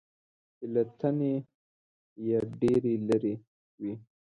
چې له تنې یې ډېرې لرې وي .